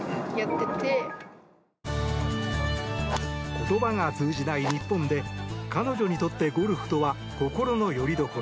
言葉が通じない日本で彼女にとってゴルフとは心のよりどころ。